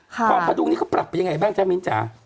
ความพดุงนี้เขาปรับไปยังไงบ้างจ๊ะมิ้นจ๋า